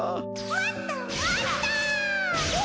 もっともっと！